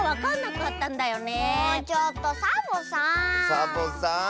ちょっとサボさん！